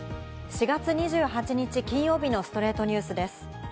４月２８日、金曜日の『ストレイトニュース』です。